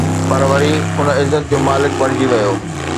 پر وري ان عزت جو مالڪ بڻجي ويو